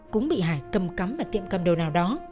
cũng bị hải cầm cắm ở tiệm cầm đồ nào đó